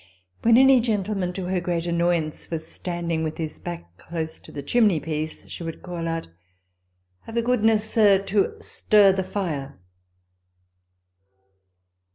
When any gentleman, to her great annoyance, was standing with his back close to the chimney piece, she would call out, " Have the goodness, sir, to stir the fire